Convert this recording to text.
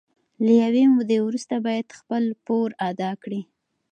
له یوې مودې وروسته باید خپل پور ادا کړي